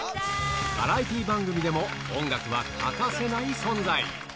バラエティー番組でも音楽は欠かせない存在。